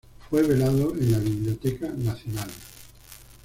Fue velado en la Biblioteca Nacional.